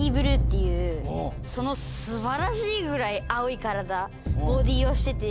その素晴らしいぐらい青い体ボディーをしてて。